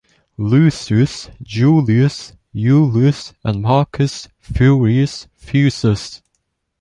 Lucius Julius Iulus and Marcus Furius Fusus.